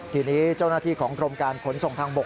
ทีนี้เจ้าหน้าที่ของกรมการขนส่งทางบก